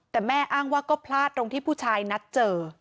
แต่แม่อ้างว่าก็พลาดตรงที่ผู้ชายนัดเจอ